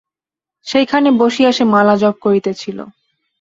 সেইখানে বসিয়া সে মালা জপ করিতেছিল।